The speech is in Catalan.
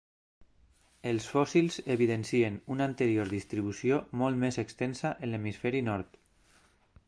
Els fòssils evidencien una anterior distribució molt més extensa en l'hemisferi nord.